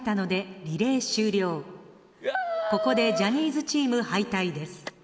ここでジャニーズチーム敗退です。